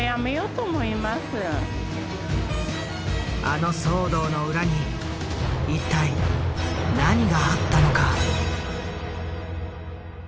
あの騒動の裏に一体何があったのか？